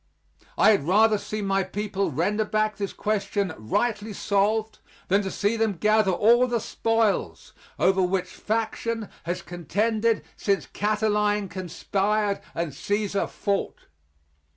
I had rather see my people render back this question rightly solved than to see them gather all the spoils over which faction has contended since Cataline conspired and Cæsar fought.